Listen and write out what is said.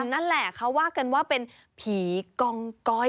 นั่นแหละเขาว่ากันว่าเป็นผีกองก้อย